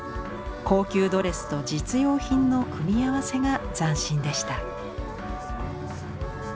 高級ドレスと実用品の組み合わせが斬新でした。